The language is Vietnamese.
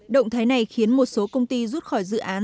động thái này khiến một số công ty rút khỏi dự án